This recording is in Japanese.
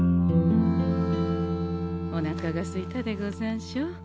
おなかがすいたでござんしょ？